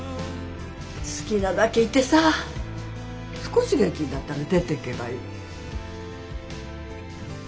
好きなだけいてさ少し元気になったら出ていけばいい。